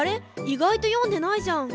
意外と読んでないじゃん。